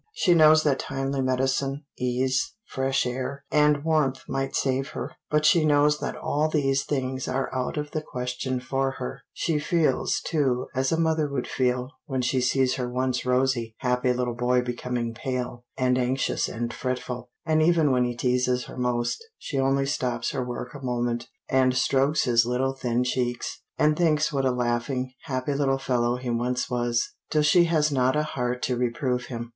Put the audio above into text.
She knows that timely medicine, ease, fresh air, and warmth might save her; but she knows that all these things are out of the question for her. She feels, too, as a mother would feel, when she sees her once rosy, happy little boy becoming pale, and anxious, and fretful; and even when he teases her most, she only stops her work a moment, and strokes his little thin cheeks, and thinks what a laughing, happy little fellow he once was, till she has not a heart to reprove him.